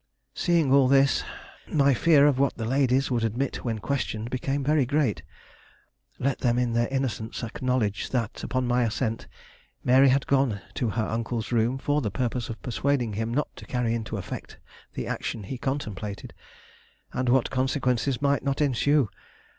Seeing all this, my fear of what the ladies would admit when questioned became very great. Let them in their innocence acknowledge that, upon my ascent, Mary had gone to her uncle's room for the purpose of persuading him not to carry into effect the action he contemplated, and what consequences might not ensue!